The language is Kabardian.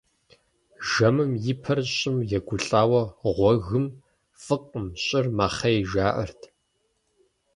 Жэмым и пэр щӀым егулӀауэ гъуэгым, фӀыкъым, щӀыр мэхъей, жаӀэрт.